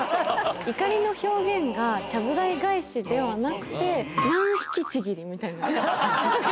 怒りの表現が、ちゃぶ台返しではなくて、ナン引きちぎりみたいな。